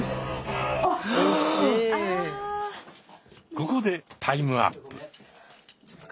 ここでタイムアップ。